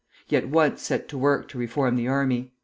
He at once set to work to reform the army.